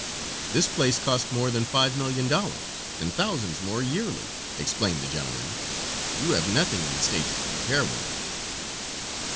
"This place cost more than five million dollars, and thousands more yearly," explained the gentleman. "You have nothing in the States to compare with it."